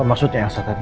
apa maksudnya elsa tadi